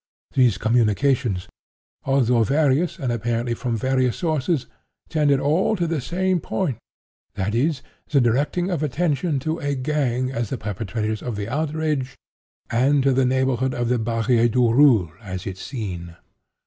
These communications, although various and apparently from various sources, tended all to the same point—viz., the directing of attention to a gang as the perpetrators of the outrage, and to the neighborhood of the Barrière du Roule as its scene.